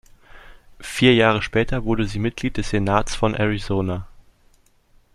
Vier Jahre später wurde sie Mitglied des Senats von Arizona.